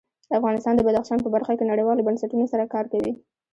افغانستان د بدخشان په برخه کې نړیوالو بنسټونو سره کار کوي.